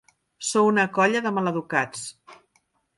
Sou una colla de maleducats.